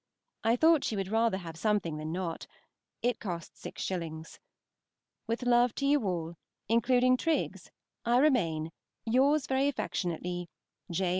I thought she would rather have something than not. It costs six shillings. With love to you all, including Triggs, I remain, Yours very affectionately, J.